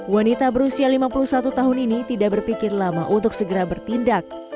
wanita berusia lima puluh satu tahun ini tidak berpikir lama untuk segera bertindak